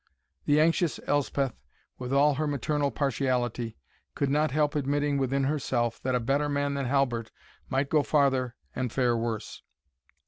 The anxious Elspeth, with all her maternal partiality, could not help admitting within herself, that a better man than Halbert might go farther and fare worse.